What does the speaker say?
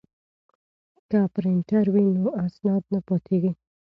که پرینټر وي نو اسناد نه پاتیږي.